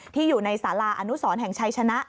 ที่อยู่ในสาราอนุสรแห่งชัยชนะ